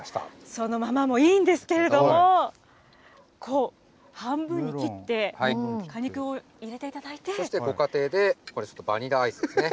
そのままもいいんですけれども、こう半分に切って、果肉を入そしてご家庭で、バニラアイスですね。